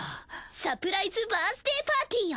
サプライズバースデーパーティーよ！